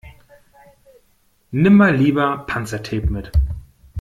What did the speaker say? Nimm mal lieber Panzertape mit.